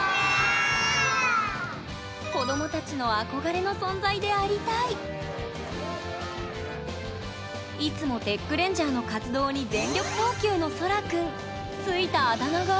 子供たちの憧れの存在でありたいいつもテックレンジャーの活動に全力投球のそらくん